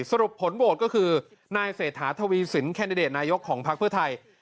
สรุปผลโหวตก็คือนายเศรษฐาทวีสินแคนดิเดตนายกของพักเพื่อไทย